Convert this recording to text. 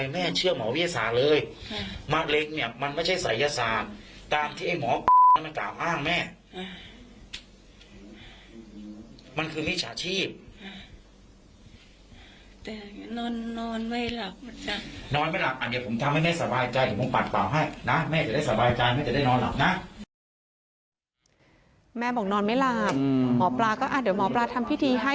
แม่บอกนอนไม่หลับหมอปลาก็เดี๋ยวหมอปลาทำพิธีให้